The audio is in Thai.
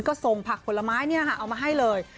ก็ส่งผักผลไม้เอามาให้เลย